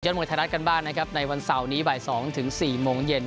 มวยไทยรัฐกันบ้างนะครับในวันเสาร์นี้บ่าย๒ถึง๔โมงเย็น